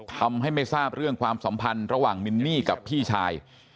ทำให้ไม่ทราบเรื่องความสัมพันธ์ระหว่างมินนี่กับพี่ชาย